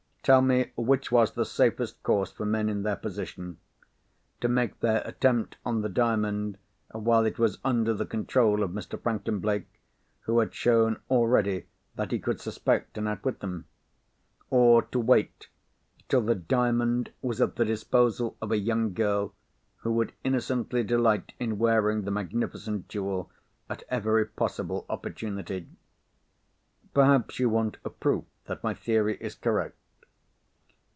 Tell me which was the safest course for men in their position? To make their attempt on the Diamond while it was under the control of Mr. Franklin Blake, who had shown already that he could suspect and outwit them? Or to wait till the Diamond was at the disposal of a young girl, who would innocently delight in wearing the magnificent jewel at every possible opportunity? Perhaps you want a proof that my theory is correct?